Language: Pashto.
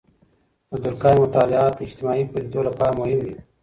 د دورکهايم مطالعات د اجتماعي پدیدو لپاره مهم دي.